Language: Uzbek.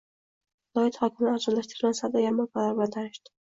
Viloyat hokimi arzonlashtirilgan savdo yarmarkalari bilan tanishdi